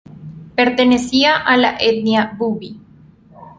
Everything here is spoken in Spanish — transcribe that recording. Pertenecía a la etnia bubi.